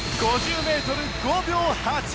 ５０ｍ５秒８